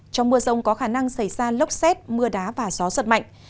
trong mưa rông có khả năng xảy ra lốc xét mưa đá và gió giật mạnh